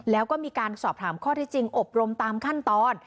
แล้วก็มีการสอบถามข้อที่จริงอบรมตามขั้นตอน